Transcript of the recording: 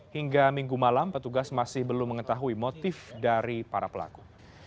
hingga minggu malam petugas masih belum mengetahui motif dari para pelaku